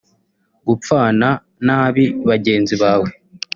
gupfana nabi bagenzi bawe